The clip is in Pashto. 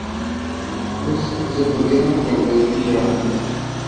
اوس زه په ګرمه کمبل کې ژاړم.